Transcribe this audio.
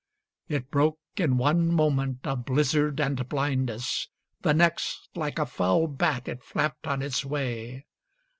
It broke in one moment of blizzard and blindness; The next, like a foul bat, it flapped on its way.